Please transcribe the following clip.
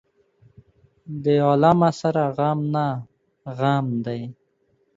د عالمه سره غم نه غم دى.